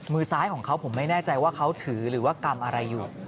มือซ้ายของเขาผมไม่แน่ใจว่าเขาถือหรือว่ากำอะไรอยู่